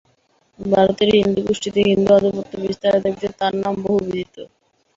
ভারতের হিন্দু গোষ্ঠীতে হিন্দু আধিপত্য বিস্তারের দাবিতে তাঁর নাম বহু বিদিত।